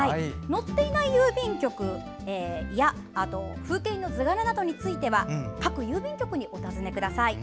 載っていない郵便局や風景印の図柄については各郵便局におたずねください。